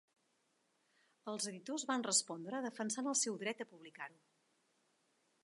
Els editors van respondre defensant el seu dret a publicar-ho.